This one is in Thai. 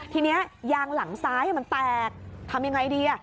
ทีนี้ยางหลังซ้ายมันแตกทำยังไงดี